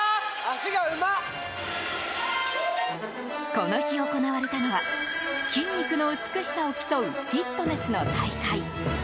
この日、行われたのは筋肉の美しさを競うフィットネスの大会。